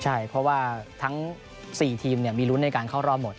ใช่เพราะว่าทั้ง๔ทีมมีลุ้นในการเข้ารอบหมด